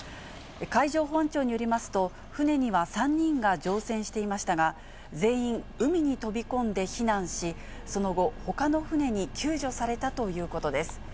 海上保安庁によりますと、船には３人が乗船していましたが、全員、海に飛び込んで避難し、その後、ほかの船に救助されたということです。